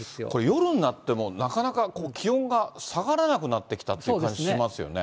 夜になっても、なかなか気温が下がらなくなってきたっていう感じしますよね。